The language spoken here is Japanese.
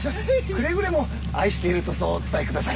くれぐれも愛しているとそうお伝えください。